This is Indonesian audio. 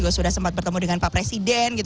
sudah sempat bertemu dengan pak presiden